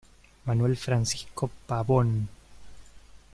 Manuel Francisco Pavón.